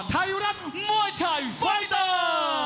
ไทยุดับมวยชัยไฟเตอร์